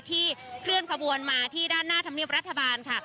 เคลื่อนขบวนมาที่ด้านหน้าธรรมเนียบรัฐบาลค่ะ